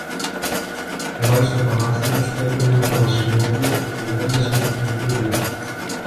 Πλάι στο παράθυρο στέκονταν το Βασιλόπουλο που κουβέντιαζε με την Ειρηνούλα